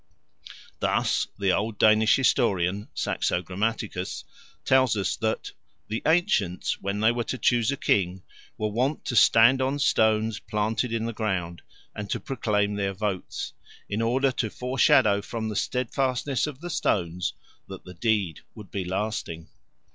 Thus the old Danish historian Saxo Grammaticus tells us that "the ancients, when they were to choose a king, were wont to stand on stones planted in the ground, and to proclaim their votes, in order to foreshadow from the steadfastness of the stones that the deed would be lasting."